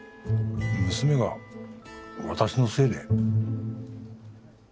娘が私のせいで？